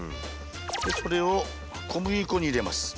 でそれを小麦粉に入れます。